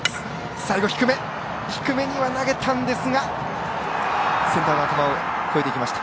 最後、低めには投げたんですがセンターの頭を越えていきました。